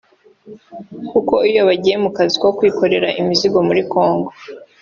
kuko iyo bagiye mu kazi ko kwikorera imizigo muri Kongo